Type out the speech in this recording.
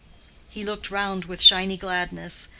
He looked round with shiny gladness.